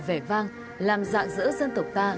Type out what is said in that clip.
vẻ vang làm dạng giữa dân tộc ta